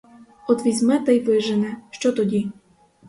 От візьме та й вижене, що тоді?